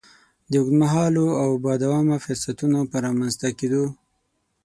د اوږد مهالو او با دوامه فرصتونو په رامنځ ته کېدو.